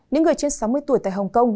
những người trên sáu mươi tuổi tại hồng kông